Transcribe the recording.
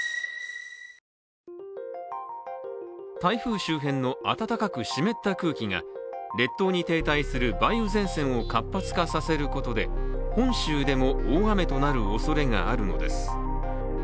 台風周辺の暖かく湿った空気が列島に停滞する梅雨前線を活発化させることで本州でも大雨となるおそれがあるのです。